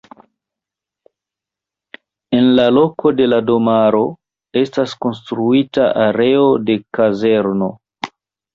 En la loko de la domaro estis konstruita areo de kazerno.